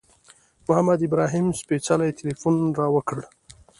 محمد ابراهیم سپېڅلي تیلفون را وکړ.